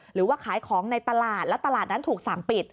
หรือว่าขายของในตลาดและตลาดนั้นถูกสั่งปิด